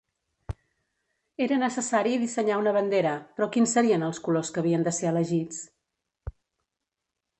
Era necessari dissenyar una bandera, però quins serien els colors que havien de ser elegits?